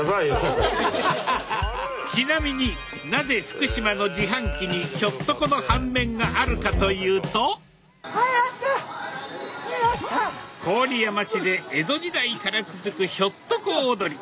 ちなみになぜ福島の自販機にひょっとこの半面があるかというと郡山市で江戸時代から続くひょっとこ踊り。